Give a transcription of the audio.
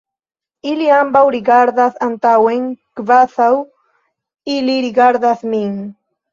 Ili ambaŭ rigardas antaŭen, kvazaŭ ili rigardas min.